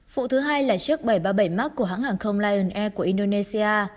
phụ thứ hai là chiếc bảy trăm ba mươi bảy mark của hãng hàng không lion air của indonesia